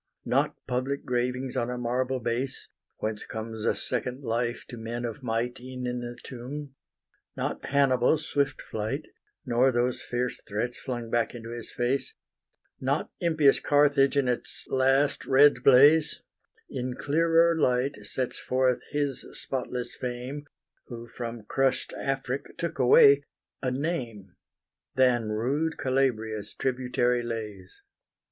Not public gravings on a marble base, Whence comes a second life to men of might E'en in the tomb: not Hannibal's swift flight, Nor those fierce threats flung back into his face, Not impious Carthage in its last red blaze, In clearer light sets forth his spotless fame, Who from crush'd Afric took away a name, Than rude Calabria's tributary lays.